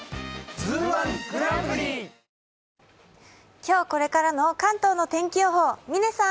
今日これからの関東の天気予報、嶺さん。